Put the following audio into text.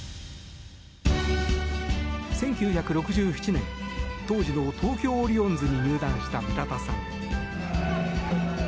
１９６７年当時の東京オリオンズに入団した村田さん。